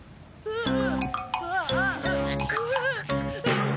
うん。